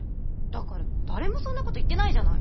だから誰もそんなこと言ってないじゃない。